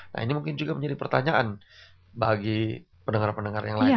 nah ini mungkin juga menjadi pertanyaan bagi pendengar pendengar yang lain